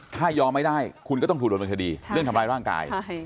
ถ้ายอมไม่ได้คุณก็ต้องถูกดำเนินคดีเรื่องทำร้ายร่างกาย